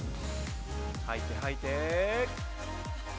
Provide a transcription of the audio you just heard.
◆吐いて吐いて。